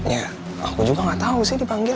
ya aku juga gak tau sih dipanggil